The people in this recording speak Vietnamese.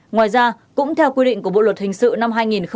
ngoài ra cũng theo quy định của bộ luật hình sự năm hai nghìn một mươi năm